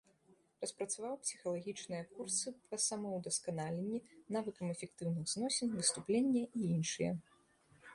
Распрацаваў псіхалагічныя курсы па самаўдасканаленні, навыкам эфектыўных зносін, выступлення і іншыя.